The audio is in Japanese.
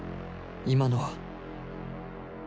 今のは